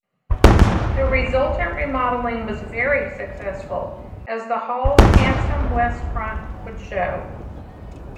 The resultant remodelling was very successful, as the Hall's handsome west front would show.